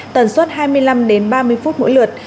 tần suất hai mươi năm đến ba mươi phút mỗi lượt